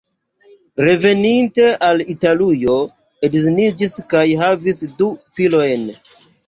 Reveninte al Italujo edziniĝis kaj havis du filojn.